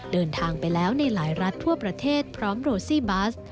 เดินทางไปแล้วในหลายรัฐทั่วประเทศพร้อมโรซี่บัส